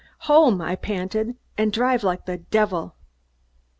"Home!" I panted, "and drive like the devil!"